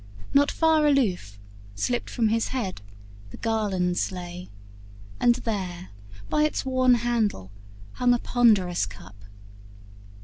Not far aloof, Slipped from his head, the garlands lay, and there By its worn handle hung a ponderous cup.